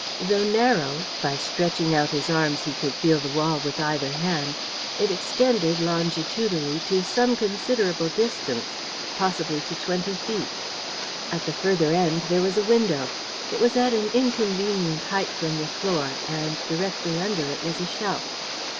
Though narrow, by stretching out his arms he could feel the wall with either hand; it extended, longitudinally, to some considerable distance possibly to twenty feet. At the further end there was a window. It was at an inconvenient height from the floor, and directly under it was a shelf.